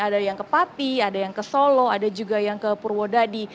ada yang ke pati ada yang ke solo ada juga yang ke purwodadi